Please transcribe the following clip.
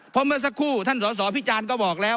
เพราะเมื่อสักครู่ท่านสอสอพิจารณ์ก็บอกแล้ว